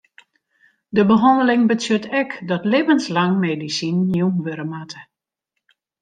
De behanneling betsjut ek dat libbenslang medisinen jûn wurde moatte.